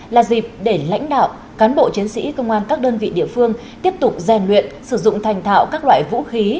là dịp để lãnh đạo cán bộ chiến sĩ công an các đơn vị địa phương tiếp tục rèn luyện sử dụng thành thạo các loại vũ khí